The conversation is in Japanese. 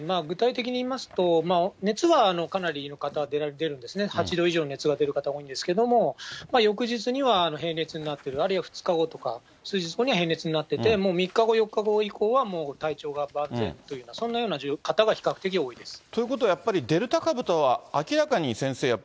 具体的に言いますと、熱はかなりの方、出るんですね、８度以上の熱が出る方が多いんですけれども、翌日には平熱になっている、あるいは２日後とか数日後には平熱になってて、もう３日後、４日後以降は体調が万全というような、ということはやっぱり、デルタ株とは明らかに先生